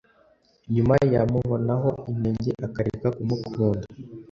nyuma yamubonaho inenge akareka kumukunda,